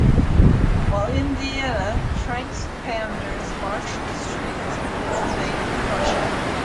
While in Vienna, Trenck's Pandurs marched the streets before invading Prussia.